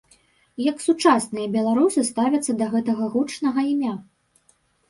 Як сучасныя беларусы ставяцца да гэтага гучнага імя?